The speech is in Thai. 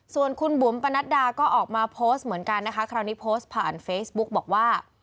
ส่วนคุณบุ๋มปนัดดาก็ออกมาโพสต์เหมือนกันนะคะคราวนี้โพสต์ผ่านเฟซบุ๊กบอกว่า